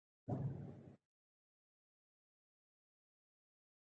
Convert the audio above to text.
په ژمي کې ګرمې جامې اغوندئ.